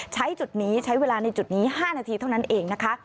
ใช้จุดนี้ใช้เวลาในจุดนี้๕นาทีเท่านั้นเองนะคะ